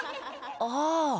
ああ。